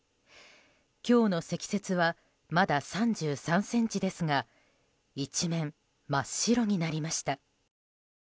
今日の積雪はまだ３３ｃｍですが一面真っ白になりました。